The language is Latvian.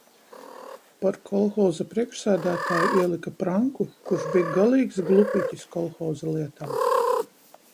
Par kolhoza priekšsēdētāju ielika Pranku kurš bija galīgs glupiķis kolhoza lietās.